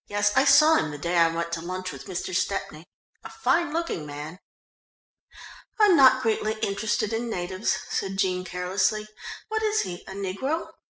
"Yes, I saw him the day I went to lunch with Mr. Stepney, a fine looking man." "I'm not greatly interested in natives," said Jean carelessly. "What is he, a negro?"